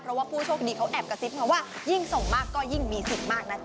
เพราะว่าผู้โชคดีเขาแอบกระซิบมาว่ายิ่งส่งมากก็ยิ่งมีสิทธิ์มากนะจ๊